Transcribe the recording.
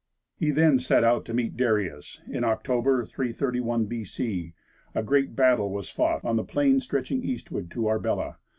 He then again set out to meet Darius; in October, 331 B.C., a great battle was fought on the plain stretching eastward to Arbela.